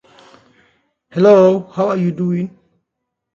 Giorgio Vasari eulogizes Mantegna, although pointing out his litigious character.